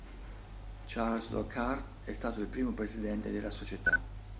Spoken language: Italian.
Charles Lockhart è stato il primo presidente della società.